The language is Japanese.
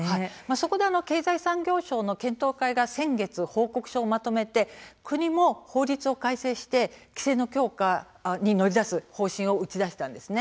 そこで経済産業省の検討会が先月報告書をまとめて国も法律を改正して規制の強化に乗り出す方針を打ち出したんです。